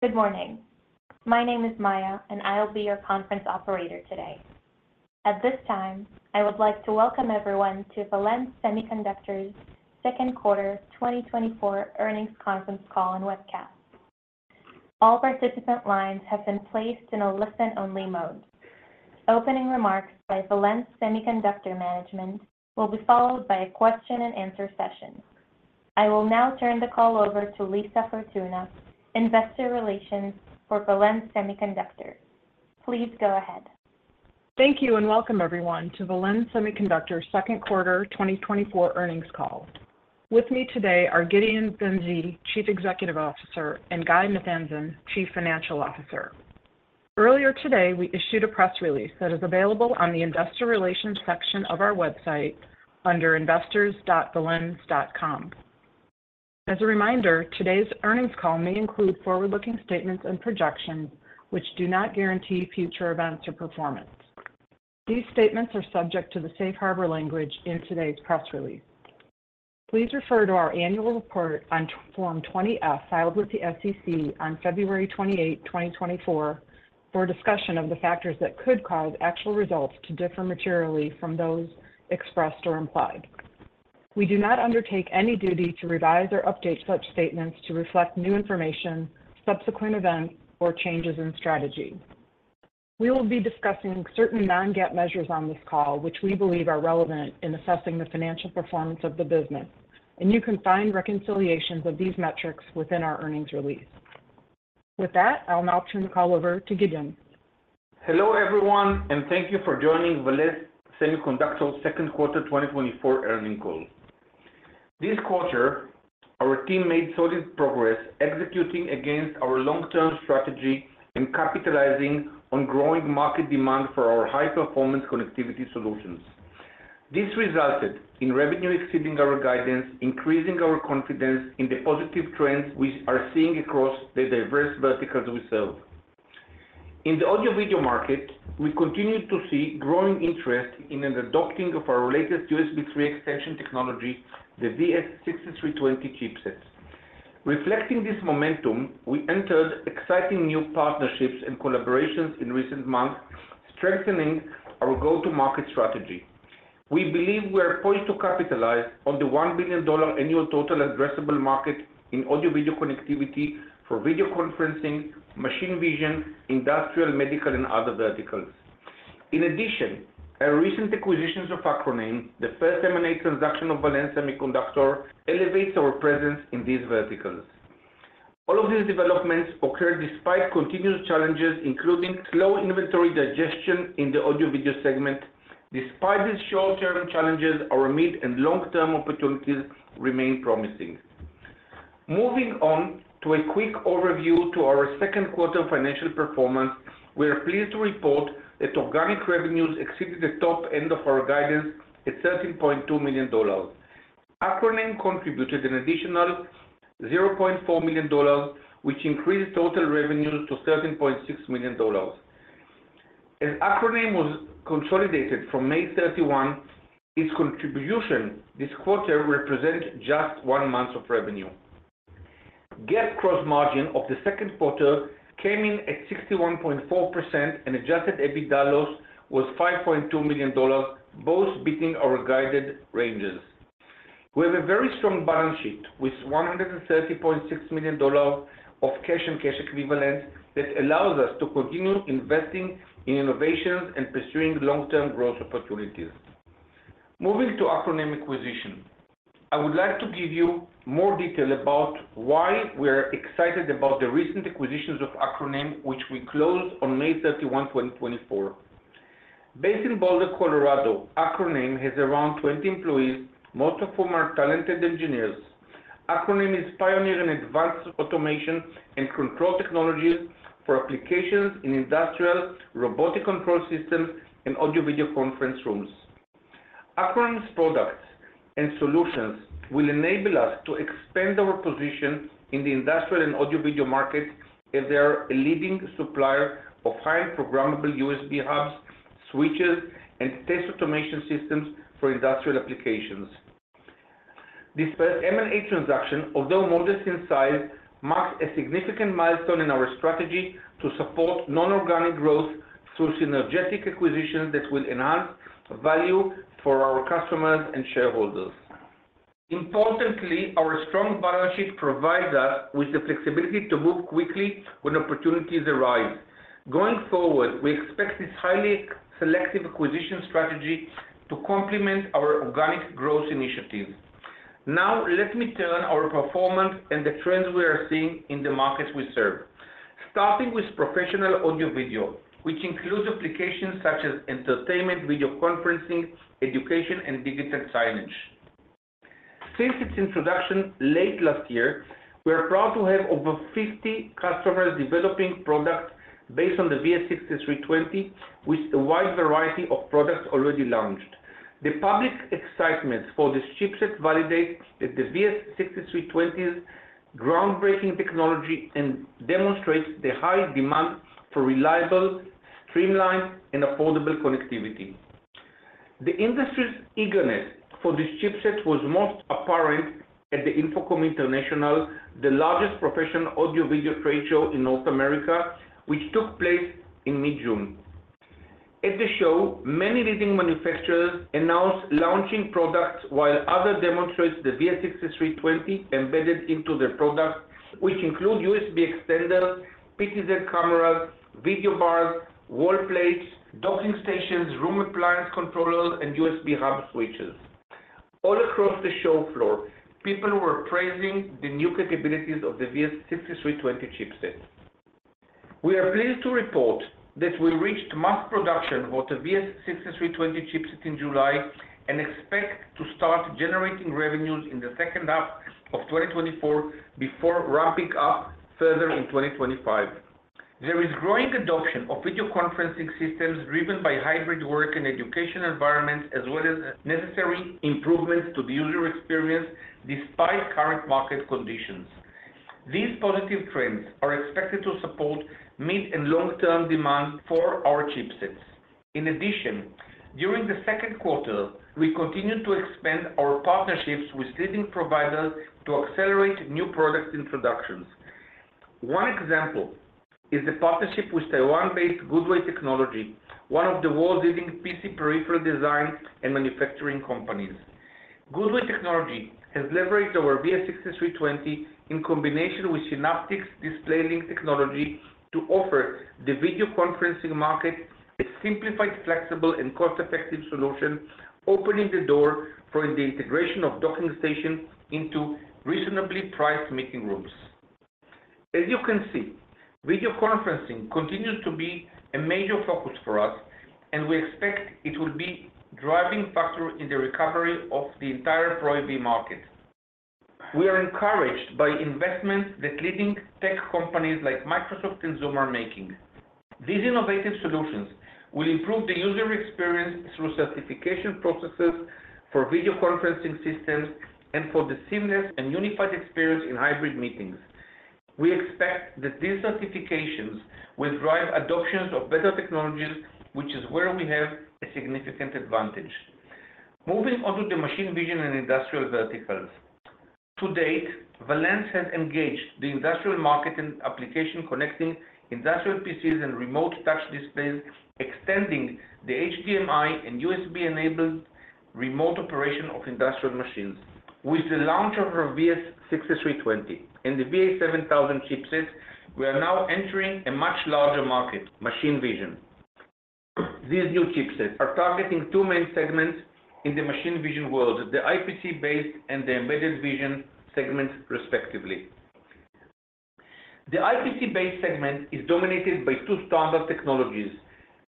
Good morning. My name is Maya, and I'll be your conference operator today. At this time, I would like to welcome everyone to Valens Semiconductor's second quarter 2024 earnings conference call and webcast. All participant lines have been placed in a listen-only mode. Opening remarks by Valens Semiconductor Management will be followed by a question-and-answer session. I will now turn the call over to Lisa Fortuna, Investor Relations for Valens Semiconductor. Please go ahead. Thank you and welcome, everyone, to Valens Semiconductor's second quarter 2024 earnings call. With me today are Gideon Ben-Zvi, Chief Executive Officer, and Guy Nathanzon, Chief Financial Officer. Earlier today, we issued a press release that is available on the Investor Relations section of our website under investors.valens.com. As a reminder, today's earnings call may include forward-looking statements and projections, which do not guarantee future events or performance. These statements are subject to the safe harbor language in today's press release. Please refer to our annual report on Form 20-F filed with the SEC on February 28, 2024, for discussion of the factors that could cause actual results to differ materially from those expressed or implied. We do not undertake any duty to revise or update such statements to reflect new information, subsequent events, or changes in strategy. We will be discussing certain non-GAAP measures on this call, which we believe are relevant in assessing the financial performance of the business, and you can find reconciliations of these metrics within our earnings release. With that, I'll now turn the call over to Gideon. Hello, everyone, and thank you for joining Valens Semiconductor's second quarter 2024 earnings call. This quarter, our team made solid progress executing against our long-term strategy and capitalizing on growing market demand for our high-performance connectivity solutions. This resulted in revenue exceeding our guidance, increasing our confidence in the positive trends we are seeing across the diverse verticals we serve. In the audio-video market, we continued to see growing interest in adopting our latest USB 3 extension technology, the VS6320 chipset. Reflecting this momentum, we entered exciting new partnerships and collaborations in recent months, strengthening our go-to-market strategy. We believe we are poised to capitalize on the $1 billion annual total addressable market in audio-video connectivity for video conferencing, machine vision, industrial, medical, and other verticals. In addition, our recent acquisitions of Acroname, the first M&A transaction of Valens Semiconductor, elevate our presence in these verticals. All of these developments occurred despite continuous challenges, including slow inventory digestion in the audio-video segment. Despite these short-term challenges, our mid and long-term opportunities remain promising. Moving on to a quick overview to our second quarter financial performance, we are pleased to report that organic revenues exceeded the top end of our guidance at $13.2 million. Acroname contributed an additional $0.4 million, which increased total revenues to $13.6 million. As Acroname was consolidated from May 31, its contribution this quarter represents just one month of revenue. GAAP gross margin of the second quarter came in at 61.4%, and Adjusted EBITDA loss was $5.2 million, both beating our guided ranges. We have a very strong balance sheet with $130.6 million of cash and cash equivalents that allows us to continue investing in innovations and pursuing long-term growth opportunities. Moving to Acroname acquisition, I would like to give you more detail about why we are excited about the recent acquisition of Acroname, which we closed on May 31, 2024. Based in Boulder, Colorado, Acroname has around 20 employees, most of whom are talented engineers. Acroname is pioneering advanced automation and control technologies for applications in industrial, robotic control systems, and audio-video conference rooms. Acroname's products and solutions will enable us to expand our position in the industrial and audio-video market as they are a leading supplier of highly programmable USB hubs, switches, and test automation systems for industrial applications. This first M&A transaction, although modest in size, marks a significant milestone in our strategy to support non-organic growth through synergetic acquisitions that will enhance value for our customers and shareholders. Importantly, our strong balance sheet provides us with the flexibility to move quickly when opportunities arise. Going forward, we expect this highly selective acquisition strategy to complement our organic growth initiatives. Now, let me turn our performance and the trends we are seeing in the markets we serve, starting with professional audio-video, which includes applications such as entertainment, video conferencing, education, and digital signage. Since its introduction late last year, we are proud to have over 50 customers developing products based on the VS6320, with a wide variety of products already launched. The public excitement for this chipset validates that the VS6320's groundbreaking technology demonstrates the high demand for reliable, streamlined, and affordable connectivity. The industry's eagerness for this chipset was most apparent at the InfoComm International, the largest professional audio-video trade show in North America, which took place in mid-June. At the show, many leading manufacturers announced launching products while others demonstrated the VS6320 embedded into their products, which include USB extenders, PTZ cameras, video bars, wall plates, docking stations, room appliance controllers, and USB hub switches. All across the show floor, people were praising the new capabilities of the VS6320 chipset. We are pleased to report that we reached mass production for the VS6320 chipset in July and expect to start generating revenues in the second half of 2024 before ramping up further in 2025. There is growing adoption of video conferencing systems driven by hybrid work and education environments, as well as necessary improvements to the user experience despite current market conditions. These positive trends are expected to support mid and long-term demand for our chipsets. In addition, during the second quarter, we continue to expand our partnerships with leading providers to accelerate new product introductions. One example is the partnership with Taiwan-based Good Way Technology, one of the world's leading PC peripheral design and manufacturing companies. Good Way Technology has leveraged our VS6320 in combination with Synaptics DisplayLink technology to offer the video conferencing market a simplified, flexible, and cost-effective solution, opening the door for the integration of docking stations into reasonably priced meeting rooms. As you can see, video conferencing continues to be a major focus for us, and we expect it will be a driving factor in the recovery of the entire Pro AV market. We are encouraged by investments that leading tech companies like Microsoft and Zoom are making. These innovative solutions will improve the user experience through certification processes for video conferencing systems and for the seamless and unified experience in hybrid meetings. We expect that these certifications will drive adoptions of better technologies, which is where we have a significant advantage. Moving on to the machine vision and industrial verticals. To date, Valens has engaged the industrial market in application connecting industrial PCs and remote touch displays, extending the HDMI and USB-enabled remote operation of industrial machines. With the launch of our VS6320 and the VA7000 chipset, we are now entering a much larger market, machine vision. These new chipsets are targeting two main segments in the machine vision world, the IPC-based and the embedded vision segments, respectively. The IPC-based segment is dominated by two standard technologies,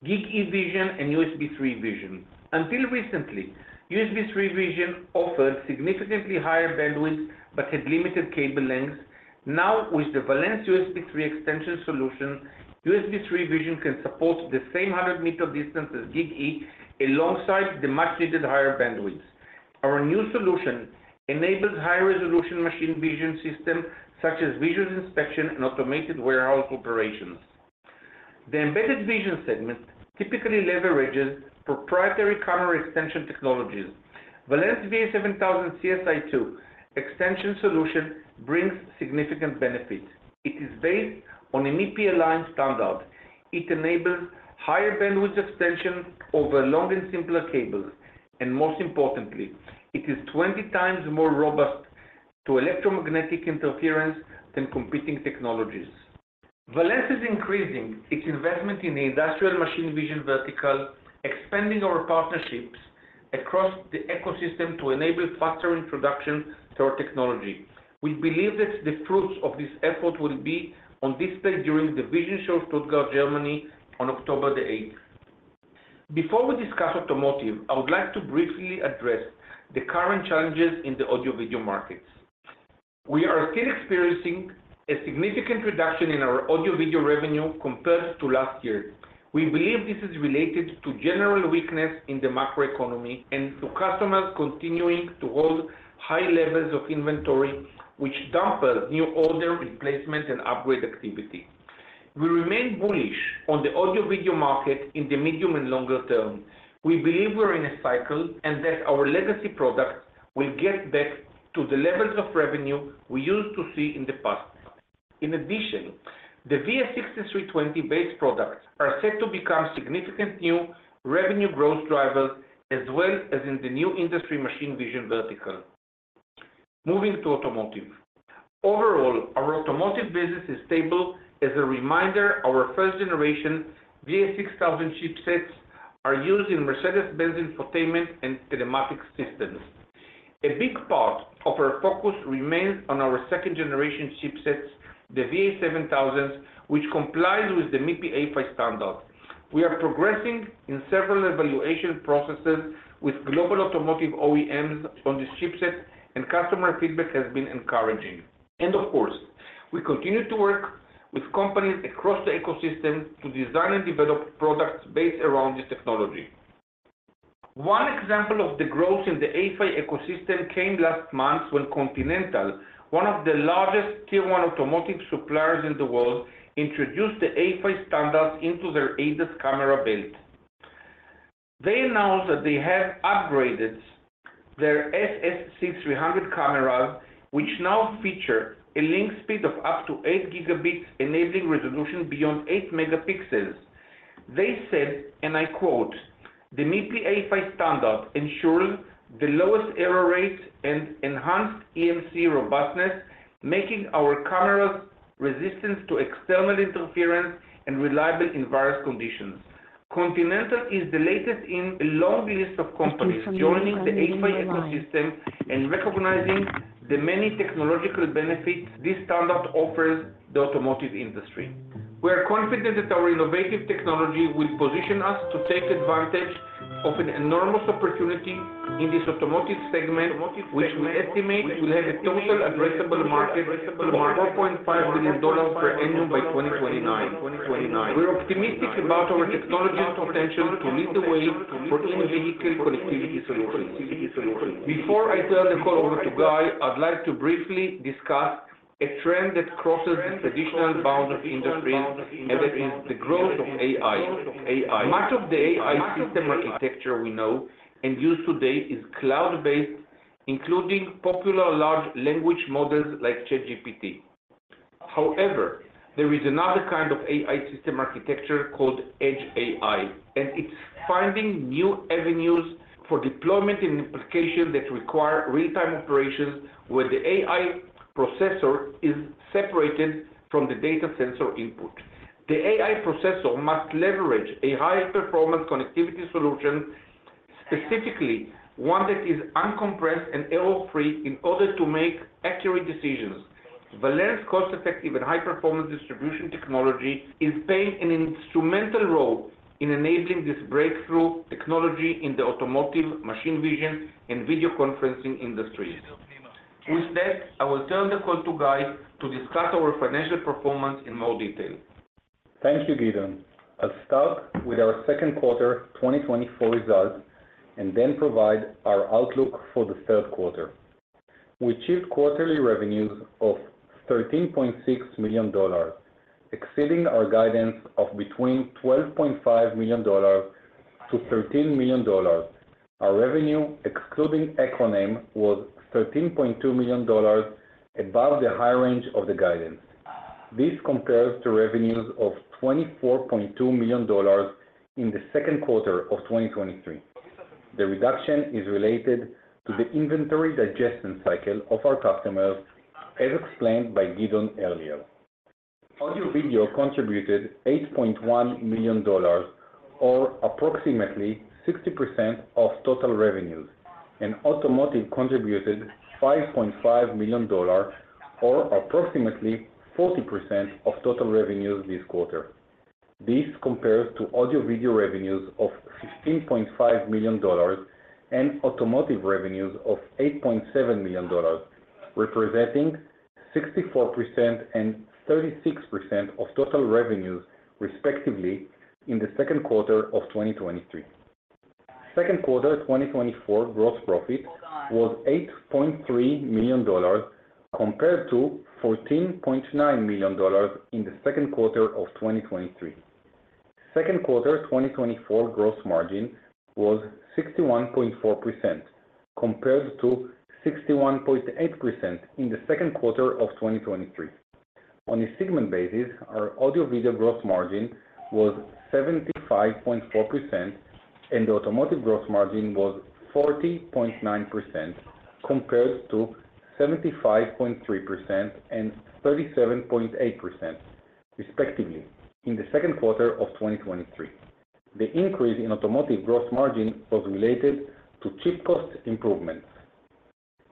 GigE Vision and USB3 Vision. Until recently, USB3 Vision offered significantly higher bandwidth but had limited cable lengths. Now, with the Valens USB 3 extension solution, USB3 Vision can support the same 100-meter distance as GigE alongside the much-needed higher bandwidth. Our new solution enables high-resolution machine vision systems such as visual inspection and automated warehouse operations. The embedded vision segment typically leverages proprietary camera extension technologies. Valens VA7000 CSI-2 extension solution brings significant benefits. It is based on a MIPI A-PHY standard. It enables higher bandwidth extension over long and simpler cables, and most importantly, it is 20 times more robust to electromagnetic interference than competing technologies. Valens is increasing its investment in the industrial machine vision vertical, expanding our partnerships across the ecosystem to enable faster introduction to our technology. We believe that the fruits of this effort will be on display during the Vision Show Stuttgart, Germany, on October the 8th. Before we discuss automotive, I would like to briefly address the current challenges in the audio-video markets. We are still experiencing a significant reduction in our audio-video revenue compared to last year. We believe this is related to general weakness in the macroeconomy and to customers continuing to hold high levels of inventory, which dampens new order replacement and upgrade activity. We remain bullish on the audio-video market in the medium and longer term. We believe we are in a cycle and that our legacy products will get back to the levels of revenue we used to see in the past. In addition, the VS6320-based products are set to become significant new revenue growth drivers, as well as in the new industry machine vision vertical. Moving to automotive, overall, our automotive business is stable. As a reminder, our first-generation VA6000 chipsets are used in Mercedes-Benz infotainment and telematics systems. A big part of our focus remains on our second-generation chipsets, the VA7000s, which comply with the MIPI A-PHY standard. We are progressing in several evaluation processes with global automotive OEMs on this chipset, and customer feedback has been encouraging. And of course, we continue to work with companies across the ecosystem to design and develop products based around this technology. One example of the growth in the A-PHY ecosystem came last month when Continental, one of the largest Tier 1 automotive suppliers in the world, introduced the A-PHY standards into their ADAS camera belt. They announced that they have upgraded their SSC300 cameras, which now feature a link speed of up to 8 gigabits, enabling resolution beyond 8 megapixels. They said, and I quote, "The MIPI A-PHY standard ensures the lowest error rate and enhanced EMC robustness, making our cameras resistant to external interference and reliable in various conditions." Continental is the latest in a long list of companies joining the A-PHY ecosystem and recognizing the many technological benefits this standard offers the automotive industry. We are confident that our innovative technology will position us to take advantage of an enormous opportunity in this automotive segment, which we estimate will have a total addressable market of $4.5 billion per annum by 2029. We're optimistic about our technology's potential to lead the way for in-vehicle connectivity solutions. Before I turn the call over to Guy, I'd like to briefly discuss a trend that crosses the traditional bounds of industries, and that is the growth of AI. Much of the AI system architecture we know and use today is cloud-based, including popular large language models like ChatGPT. However, there is another kind of AI system architecture called Edge AI, and it's finding new avenues for deployment and implications that require real-time operations where the AI processor is separated from the data sensor input. The AI processor must leverage a high-performance connectivity solution, specifically one that is uncompressed and error-free, in order to make accurate decisions. Valens' cost-effective and high-performance distribution technology is playing an instrumental role in enabling this breakthrough technology in the automotive, machine vision, and video conferencing industries. With that, I will turn the call to Guy to discuss our financial performance in more detail. Thank you, Gideon. I'll start with our second quarter 2024 results and then provide our outlook for the third quarter. We achieved quarterly revenues of $13.6 million, exceeding our guidance of between $12.5-$13 million. Our revenue, excluding Acroname, was $13.2 million above the high range of the guidance. This compares to revenues of $24.2 million in the second quarter of 2023. The reduction is related to the inventory digestion cycle of our customers, as explained by Gideon earlier. Audio-video contributed $8.1 million, or approximately 60% of total revenues, and automotive contributed $5.5 million, or approximately 40% of total revenues this quarter. This compares to audio-video revenues of $15.5 million and automotive revenues of $8.7 million, representing 64% and 36% of total revenues, respectively, in the second quarter of 2023. Second quarter 2024 gross profit was $8.3 million, compared to $14.9 million in the second quarter of 2023. Second quarter 2024 gross margin was 61.4%, compared to 61.8% in the second quarter of 2023. On a segment basis, our audio-video gross margin was 75.4%, and the automotive gross margin was 40.9%, compared to 75.3% and 37.8%, respectively, in the second quarter of 2023. The increase in automotive gross margin was related to chip cost improvements.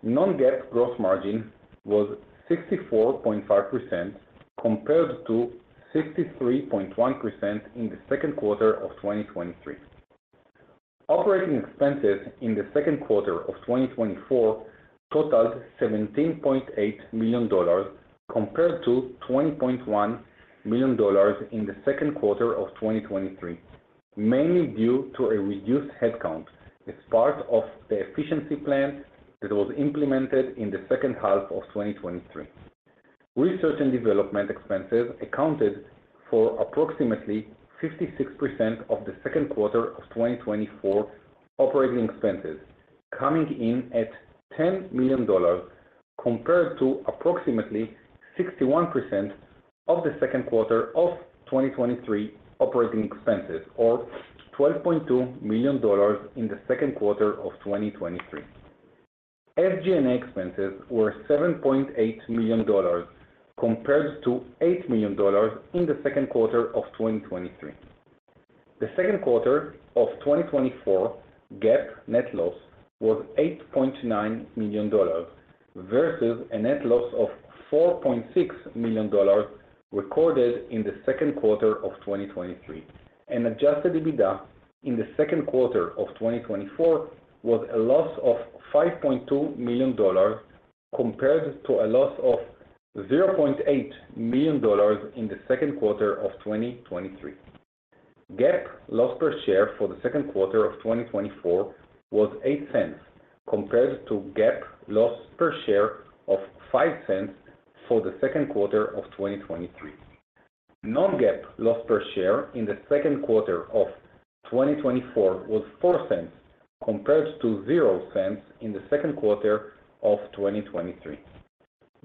Non-GAAP gross margin was 64.5%, compared to 63.1% in the second quarter of 2023. Operating expenses in the second quarter of 2024 totaled $17.8 million, compared to $20.1 million in the second quarter of 2023, mainly due to a reduced headcount as part of the efficiency plan that was implemented in the second half of 2023. Research and development expenses accounted for approximately 56% of the second quarter of 2024 operating expenses, coming in at $10 million, compared to approximately 61% of the second quarter of 2023 operating expenses, or $12.2 million in the second quarter of 2023. SG&A expenses were $7.8 million, compared to $8 million in the second quarter of 2023. The second quarter of 2024 GAAP net loss was $8.9 million versus a net loss of $4.6 million recorded in the second quarter of 2023. An Adjusted EBITDA in the second quarter of 2024 was a loss of $5.2 million, compared to a loss of $0.8 million in the second quarter of 2023. GAAP loss per share for the second quarter of 2024 was $0.08, compared to GAAP loss per share of $0.05 for the second quarter of 2023. Non-GAAP loss per share in the second quarter of 2024 was $0.04, compared to $0.00 in the second quarter of 2023.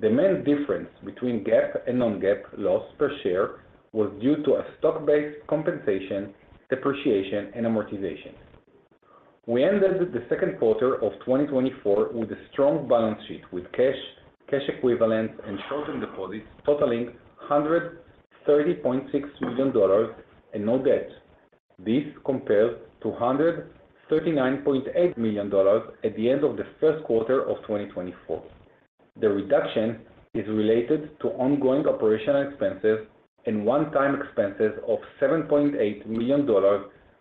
The main difference between GAAP and non-GAAP loss per share was due to a stock-based compensation, depreciation, and amortization. We ended the second quarter of 2024 with a strong balance sheet with cash equivalents and short-term deposits totaling $130.6 million and no debt. This compares to $139.8 million at the end of the first quarter of 2024. The reduction is related to ongoing operational expenses and one-time expenses of $7.8 million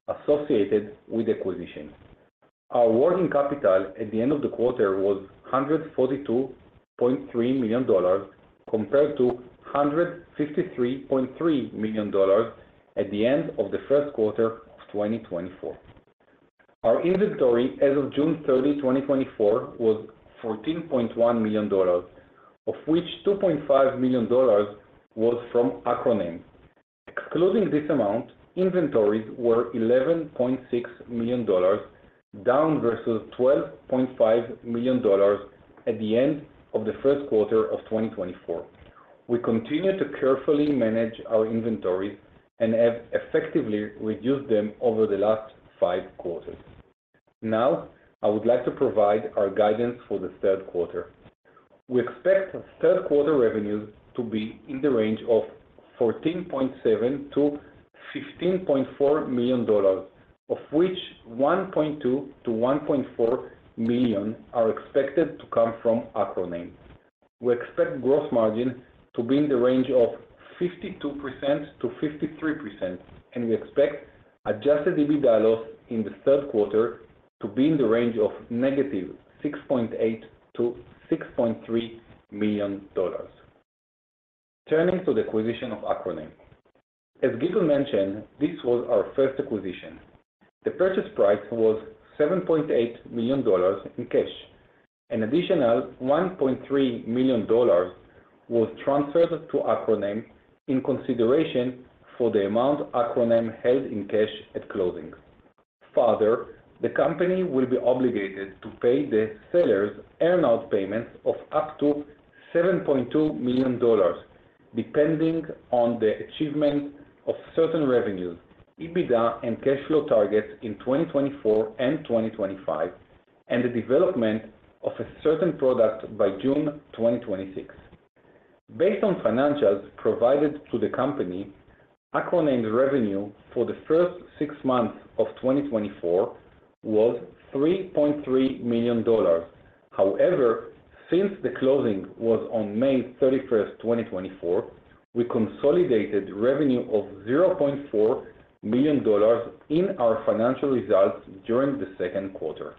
associated with acquisition. Our working capital at the end of the quarter was $142.3 million, compared to $153.3 million at the end of the first quarter of 2024. Our inventory as of June 30, 2024, was $14.1 million, of which $2.5 million was from Acroname. Excluding this amount, inventories were $11.6 million, down versus $12.5 million at the end of the first quarter of 2024. We continue to carefully manage our inventories and have effectively reduced them over the last five quarters. Now, I would like to provide our guidance for the third quarter. We expect third quarter revenues to be in the range of $14.7-$15.4 million, of which $1.2-$1.4 million are expected to come from Acroname. We expect gross margin to be in the range of 52%-53%, and we expect adjusted EBITDA loss in the third quarter to be in the range of -$6.8 to -$6.3 million. Turning to the acquisition of Acroname. As Gideon mentioned, this was our first acquisition. The purchase price was $7.8 million in cash. An additional $1.3 million was transferred to Acroname in consideration for the amount Acroname held in cash at closing. Further, the company will be obligated to pay the sellers' earn-out payments of up to $7.2 million, depending on the achievement of certain revenues, EBITDA and cash flow targets in 2024 and 2025, and the development of a certain product by June 2026. Based on financials provided to the company, Acroname's revenue for the first six months of 2024 was $3.3 million. However, since the closing was on May 31, 2024, we consolidated revenue of $0.4 million in our financial results during the second quarter.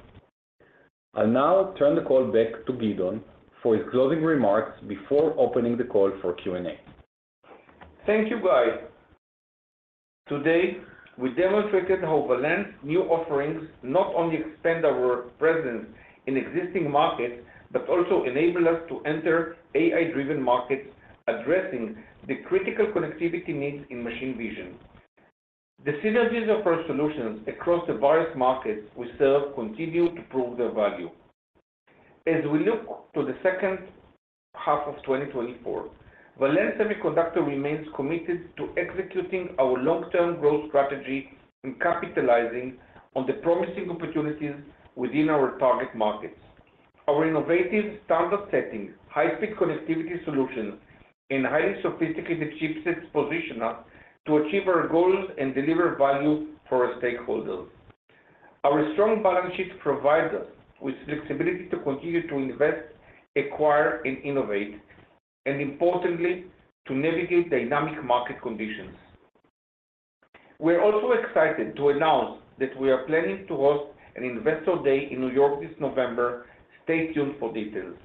I'll now turn the call back to Gideon for his closing remarks before opening the call for Q&A. Thank you, Guy. Today, we demonstrated how Valens' new offerings not only expand our presence in existing markets but also enable us to enter AI-driven markets, addressing the critical connectivity needs in machine vision. The synergies of our solutions across the various markets we serve continue to prove their value. As we look to the second half of 2024, Valens Semiconductor remains committed to executing our long-term growth strategy and capitalizing on the promising opportunities within our target markets. Our innovative standard-setting, high-speed connectivity solutions, and highly sophisticated chipsets position us to achieve our goals and deliver value for our stakeholders. Our strong balance sheet provides us with flexibility to continue to invest, acquire, and innovate, and importantly, to navigate dynamic market conditions. We are also excited to announce that we are planning to host an Investor Day in New York this November. Stay tuned for details.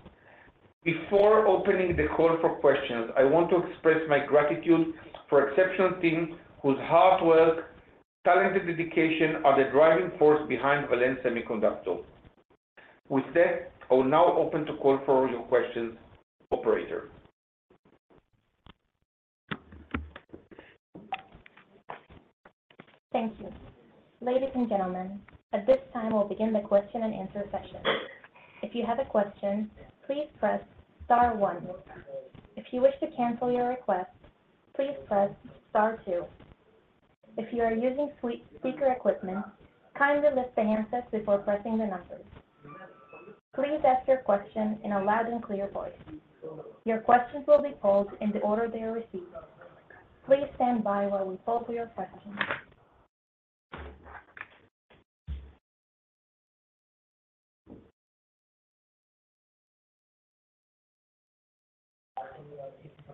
Before opening the call for questions, I want to express my gratitude for the exceptional team whose hard work, talent, and dedication are the driving force behind Valens Semiconductor. With that, I will now open the call for your questions, Operator. Thank you. Ladies and gentlemen, at this time, we'll begin the question and answer session. If you have a question, please press Star 1. If you wish to cancel your request, please press Star 2. If you are using speaker equipment, kindly lift the handsets before pressing the numbers. Please ask your question in a loud and clear voice. Your questions will be polled in the order they are received. Please stand by while we poll your questions.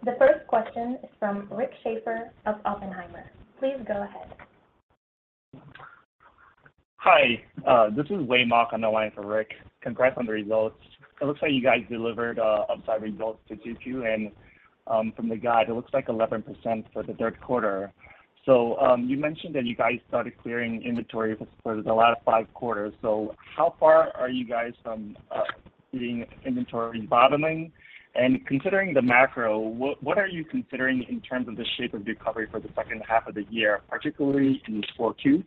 The first question is from Rick Schafer of Oppenheimer. Please go ahead. Hi. This is Wei Mok on the line for Rick. Congrats on the results. It looks like you guys delivered upside results to GAAP, and from the guide, it looks like 11% for the third quarter. So you mentioned that you guys started clearing inventory for the last five quarters. So how far are you guys from being inventory bottoming? And considering the macro, what are you considering in terms of the shape of recovery for the second half of the year, particularly in Q2?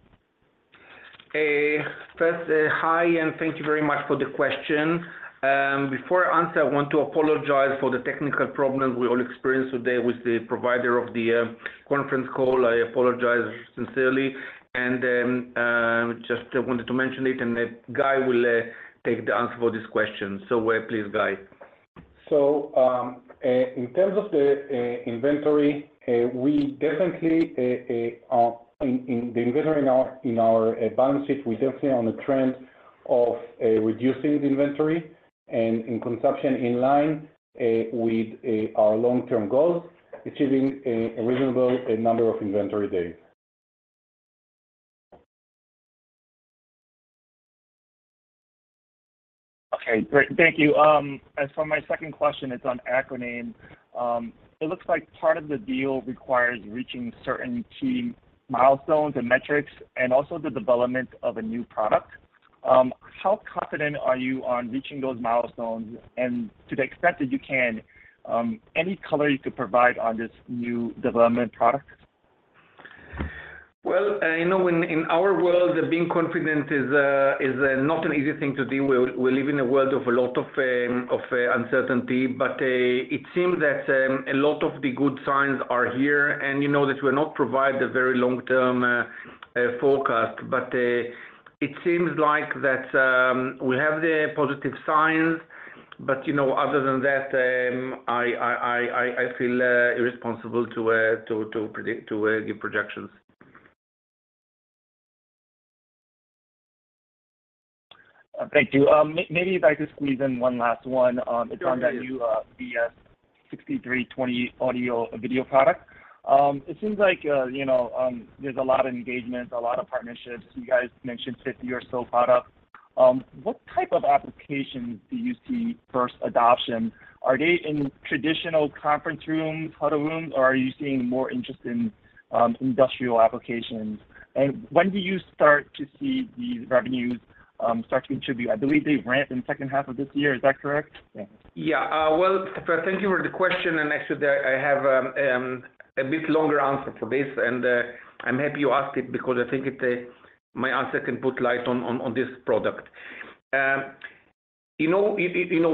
Hey, Professor, hi, and thank you very much for the question. Before I answer, I want to apologize for the technical problems we all experienced today with the provider of the conference call. I apologize sincerely. Just wanted to mention it, and Guy will take the answer for this question. Please, Guy. In terms of the inventory, we definitely in the inventory in our balance sheet, we're definitely on a trend of reducing the inventory and in consumption in line with our long-term goals, achieving a reasonable number of inventory days. Okay. Great. Thank you. As for my second question, it's on Acroname. It looks like part of the deal requires reaching certain key milestones and metrics and also the development of a new product. How confident are you on reaching those milestones? And to the extent that you can, any color you could provide on this new development product? Well, in our world, being confident is not an easy thing to do. We live in a world of a lot of uncertainty, but it seems that a lot of the good signs are here. And you know that we're not providing a very long-term forecast, but it seems like that we have the positive signs. But other than that, I feel irresponsible to give projections. Thank you. Maybe you'd like to squeeze in one last one. It's on VS6320 audio video product. It seems like there's a lot of engagement, a lot of partnerships. You guys mentioned 50 or so products. What type of applications do you see first adoption? Are they in traditional conference rooms, huddle rooms, or are you seeing more interest in industrial applications? And when do you start to see these revenues start to contribute? I believe they ramped in the second half of this year. Is that correct? Yeah. Well, thank you for the question. Actually, I have a bit longer answer for this, and I'm happy you asked it because I think my answer can put light on this product. You know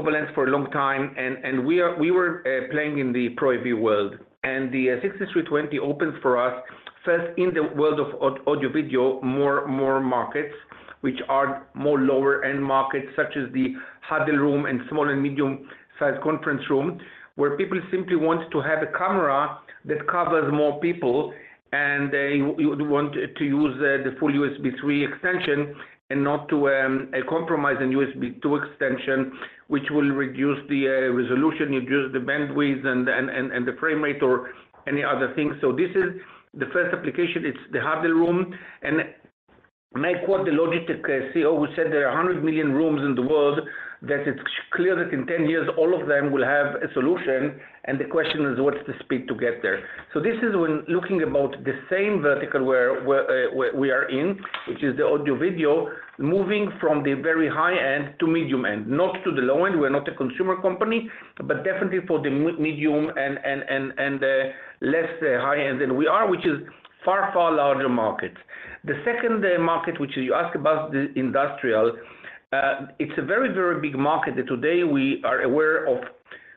Valens for a long time, and we were playing in the ProAV world. The 6320 opens for us first in the world of audio-video markets, which are more lower-end markets such as the huddle room and small and medium-sized conference room, where people simply want to have a camera that covers more people, and you want to use the full USB 3 extension and not to compromise on USB 2 extension, which will reduce the resolution, reduce the bandwidth, and the frame rate, or any other thing. So this is the first application. It's the huddle room. And I Quant, the Logitech CEO, who said there are 100 million rooms in the world, that it's clear that in 10 years, all of them will have a solution. And the question is, what's the speed to get there? So this is when looking about the same vertical where we are in, which is the audio-video, moving from the very high-end to medium-end, not to the low-end. We're not a consumer company, but definitely for the medium and less high-end than we are, which is far, far larger markets. The second market, which you asked about, the industrial, it's a very, very big market. Today, we are aware of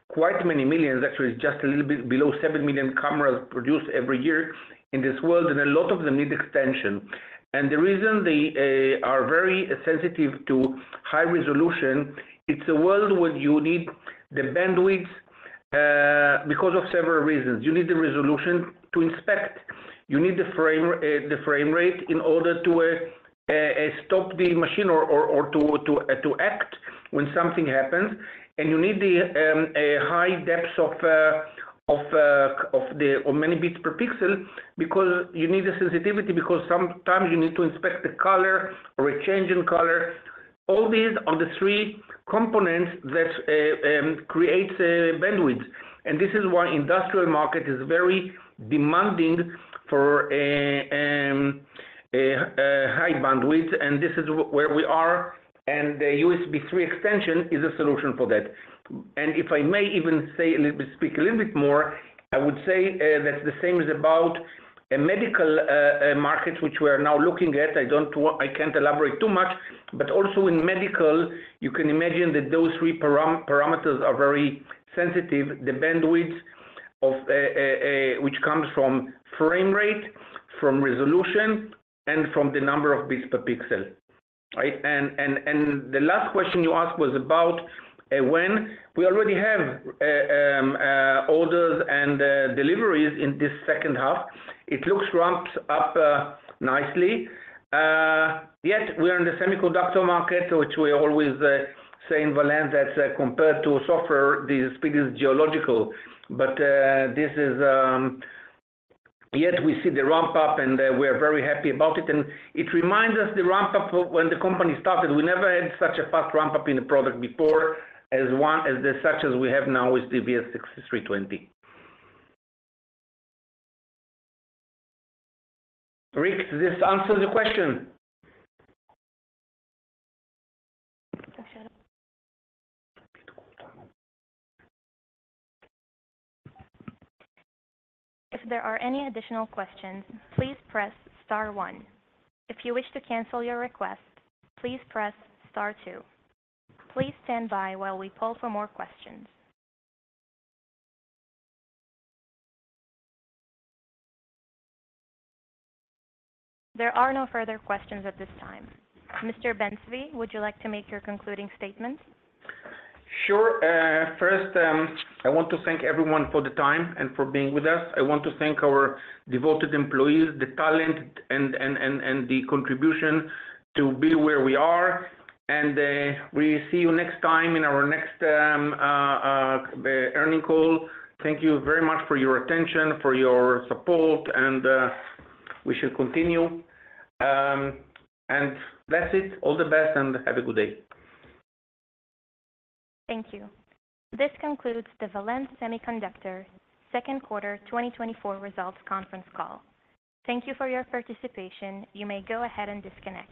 quite many millions, actually just a little bit below 7 million cameras produced every year in this world, and a lot of them need extension. The reason they are very sensitive to high resolution is that it's a world where you need the bandwidth because of several reasons. You need the resolution to inspect. You need the frame rate in order to stop the machine or to act when something happens. You need a high depth of many bits per pixel because you need the sensitivity because sometimes you need to inspect the color or a change in color. All these are the three components that create bandwidth. This is why the industrial market is very demanding for high bandwidth, and this is where we are. The USB 3 extension is a solution for that. If I may even speak a little bit more, I would say that the same is about a medical market, which we are now looking at. I can't elaborate too much. But also in medical, you can imagine that those three parameters are very sensitive, the bandwidth, which comes from frame rate, from resolution, and from the number of bits per pixel. The last question you asked was about when we already have orders and deliveries in this second half. It looks ramped up nicely. Yet we are in the semiconductor market, which we always say in Valens that compared to software, the speed is geological. But yet we see the ramp-up, and we are very happy about it. And it reminds us the ramp-up when the company started. We never had such a fast ramp-up in the product before as such as we have now with the VS6320. Rick, does this answer the question? If there are any additional questions, please press Star one. If you wish to cancel your request, please press Star two. Please stand by while we poll for more questions. There are no further questions at this time. Mr. Ben-Zvi, would you like to make your concluding statement? Sure. First, I want to thank everyone for the time and for being with us. I want to thank our devoted employees, the talent, and the contribution to be where we are. We'll see you next time in our next earnings call. Thank you very much for your attention, for your support, and we should continue. That's it. All the best and have a good day. Thank you. This concludes the Valens Semiconductor Second Quarter 2024 Results Conference Call. Thank you for your participation. You may go ahead and disconnect.